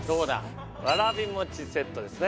えっわらび餅セットですね